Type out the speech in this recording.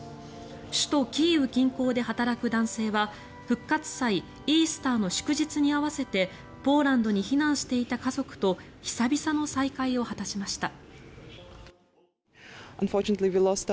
首都キーウ近郊で働く男性は復活祭、イースターの祝日に合わせてポーランドに避難していた家族と久々の再会を果たしました。